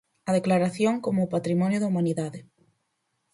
A declaración como Patrimonio da Humanidade.